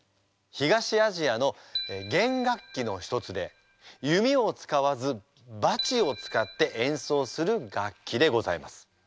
東アジアの弦楽器の一つで弓を使わず撥を使って演奏する楽器でございます。